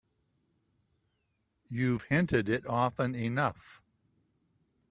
You've hinted it often enough.